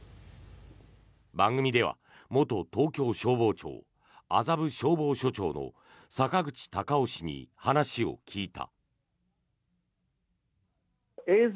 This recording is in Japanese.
番組では元東京消防庁麻布消防署長の坂口隆夫氏に話を聞いた。